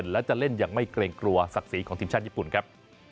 และจะเล่นอย่างไม่เกรงกลัวศักดิ์ศรีของทีมชาติญี่ปุ่นครับ